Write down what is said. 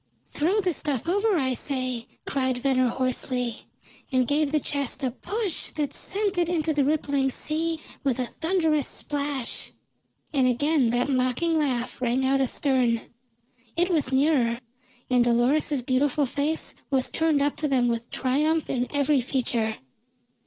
"Throw the stuff over, I say!" cried Venner hoarsely, and gave the chest a push that sent it into the rippling sea with a thunderous splash. And again that mocking laugh rang out astern; it was nearer, and Dolores's beautiful face was turned up to them with triumph in every feature.